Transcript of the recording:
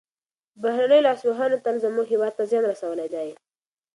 بهرنیو لاسوهنو تل زموږ هېواد ته زیان رسولی دی.